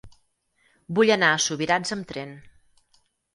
Vull anar a Subirats amb tren.